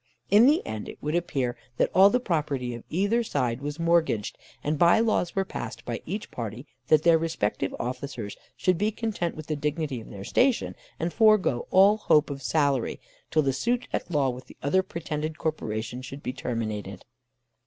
In the end it would appear that all the property of either side was mortgaged, and bye laws were passed by each party that their respective officers should be content with the dignity of their station, and forego all hope of salary till the suit at law with the other "pretended corporation" should be terminated.